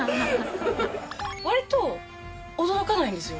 わりと驚かないんですよ。